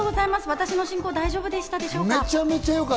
私の進行、大丈夫だったでしょうか？